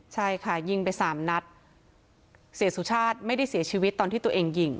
ใช่ค่ะยิงไปสามนัดเสียสุชาติไม่ได้เสียชีวิตตอนที่ตัวเองยิง